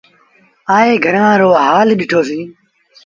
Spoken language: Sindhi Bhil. آئي گھرآݩ رو هآل ڏٺو سيٚݩ۔